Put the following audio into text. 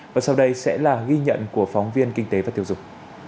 và sau đây sẽ là ghi nhận của phóng viên kinh tế và tiêu dùng